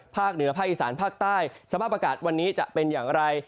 เหนือภาคอีสานภาคใต้สภาพอากาศวันนี้จะเป็นอย่างไร